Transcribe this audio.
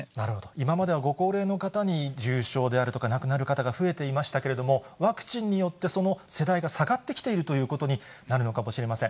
今まではご高齢の方に重症であるとか、亡くなる方が増えていましたけれども、ワクチンによって、その世代が下がってきているということになるのかもしれません。